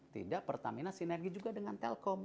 tidak pertamina sinergi juga dengan telkom